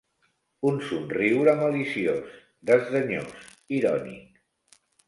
Un somriure maliciós, desdenyós, irònic.